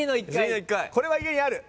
これは家にある。